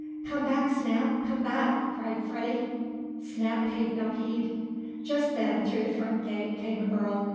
"Come back, Snap! Come back!" cried Freddie. Snap paid no heed. Just then, through the front gate, came a girl.